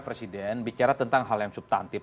presiden bicara tentang hal yang subtantif